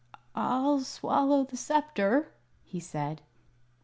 "I'll swallow the sceptre," he said.